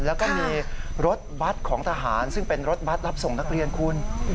แล้วก็มีรถบัตรของทหารซึ่งเป็นรถบัตรรับส่งนักเรียนคุณ